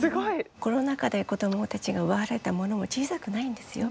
コロナ禍で子どもたちが奪われたものも小さくないんですよ。